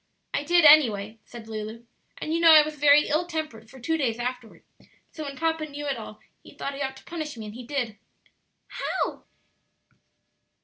"I did, anyway," said Lulu; "and you know I was very ill tempered for two days afterward; so when papa knew it all he thought he ought to punish me, and he did." "How?"